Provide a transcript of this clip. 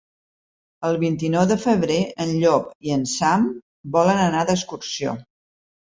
El vint-i-nou de febrer en Llop i en Sam volen anar d'excursió.